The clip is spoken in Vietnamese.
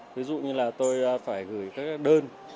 ví dụ như là tôi phải gửi các đơn